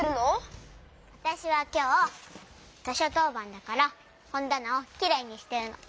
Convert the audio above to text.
わたしはきょうとしょとうばんだからほんだなをきれいにしてるの。